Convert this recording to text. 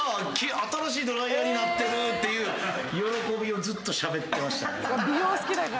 新しいドライヤーになってる」っていう喜びをずっとしゃべってましたね。